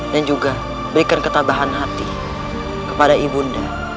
dan juga berikan ketabahan hati kepada ibunda